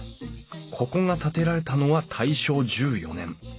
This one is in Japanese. ここが建てられたのは大正１４年。